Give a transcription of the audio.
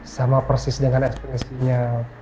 sama persis dengan ekspresinya